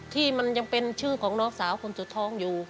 ที่มันยังเป็นชื่อของน้องสาวคนสุดท้องอยู่